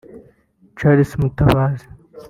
Charles Mutabazi